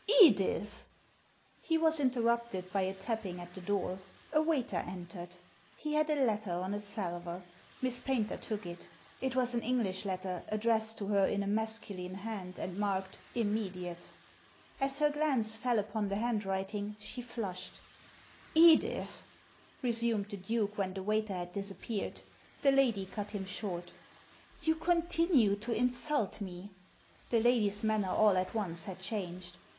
Edith '* He was interrupted by a tapping at the door. A waiter entered. He had a letter on a salver. Miss Paynter took it It was an English letter, addressed to her in a masculine hand, and marked " Immediate." As her glance fell upon the handwriting she flushed " Edith," resumed the Duke, when the waiter had disappeared. The lady cut him short '* You continue to insult me !" The lady's manner all at once had changed.